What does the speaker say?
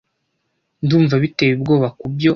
Ndumva biteye ubwoba kubyo.